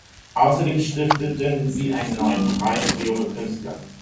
Außerdem stifteten sie einen neuen Preis für junge Künstler.